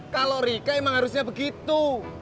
kalau rika emang harusnya begitu